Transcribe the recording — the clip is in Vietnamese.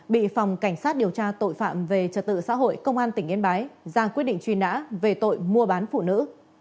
bị phòng cảnh sát điều tra tội phạm về trật tự xã hội công an tỉnh yên bái ra quyết định truy nã về tội mua bán phụ nữ